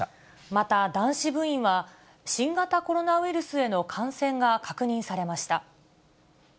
また男子部員は、新型コロナウイルスへの感染が確認されました。